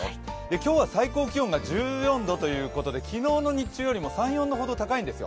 今日は最高気温が１４度ということで昨日の日中よりも３４度ほど高いんですよ。